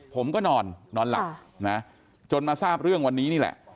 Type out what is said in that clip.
ผมก็นอนนอนหลับนะจนมาทราบเรื่องวันนี้นี่แหละ